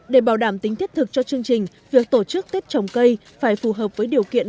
để bảo đảm tính thiết thực cho chương trình việc tổ chức tết trồng cây phải phù hợp với điều kiện